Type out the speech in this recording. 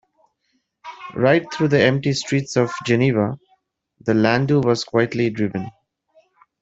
Right through the empty streets of Geneva the landau was quietly driven.